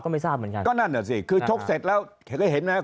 ก็ไม่ทราบเหมือนกันก็นั่นเหรอสิคือชกเสร็จแล้วเคยเห็นไหมครับ